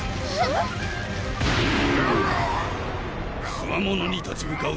つわものに立ち向かう